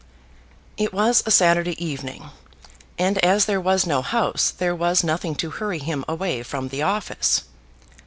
It was a Saturday evening, and as there was no House there was nothing to hurry him away from the office.